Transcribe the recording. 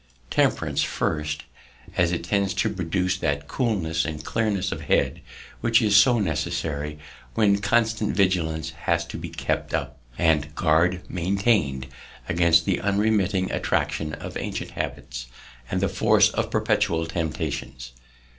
Temperance first, as it tends to procure that coolness and clearness of head, which is so necessary where constant vigilance was to be kept up, and guard maintained against the unremitting attraction of ancient habits, and the force of perpetual temptations.